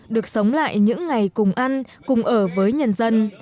được sống lại những ngày cùng ăn cùng ở với nhân dân